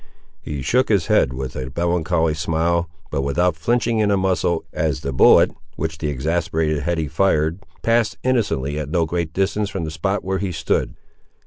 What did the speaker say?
He shook his head with a melancholy smile, but without flinching in a muscle, as the bullet, which the exasperated Hetty fired, passed innocently at no great distance from the spot where he stood.